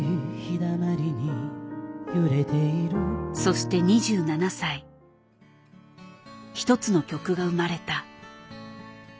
そして２７歳一つの曲が生まれた。